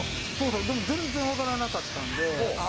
でも全然分からなかったんで。